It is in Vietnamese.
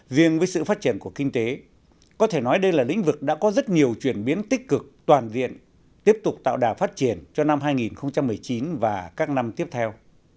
riêng với sự phát triển của kinh tế có thể nói đây là lĩnh vực đã có rất nhiều chuyển biến tích cực toàn diện tiếp tục tạo đà phát triển cho năm hai nghìn một mươi chín và các năm tiếp theo